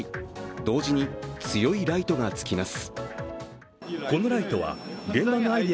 同時に強いライトがつきます。